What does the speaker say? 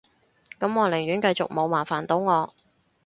噉我寧願繼續冇，麻煩到我